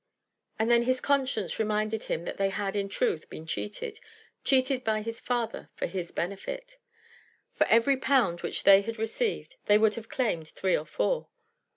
But then his conscience reminded him that they had, in truth, been cheated, cheated by his father for his benefit. For every pound which they had received they would have claimed three or four.